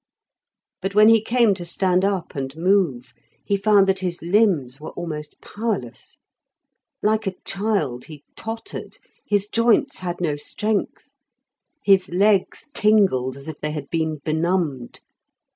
But when he came to stand up and move, he found that his limbs were almost powerless. Like a child he tottered, his joints had no strength, his legs tingled as if they had been benumbed.